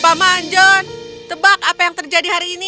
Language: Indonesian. paman john tebak apa yang terjadi hari ini